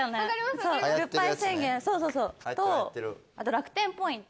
あと楽天ポイント。